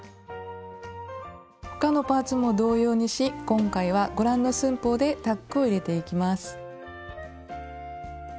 他のパーツも同様にし今回はご覧の寸法でタックを入れていきます。